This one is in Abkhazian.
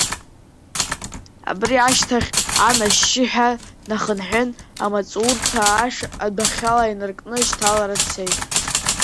Абри ашьҭахь Ан ашьшьыҳәа днахынҳәын, амаҵурҭа ашә адәахьала инаркны шьҭалара дцеит.